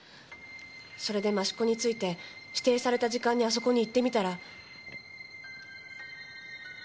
それで益子に着いて指定された時間にあそこに行ってみたら。